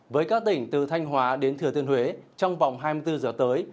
với các tỉnh từ thanh hóa đến thừa thiên huế trong vòng hai mươi bốn giờ tới